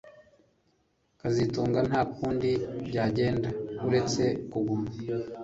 kazitunga nta kundi byagenda uretse kuguma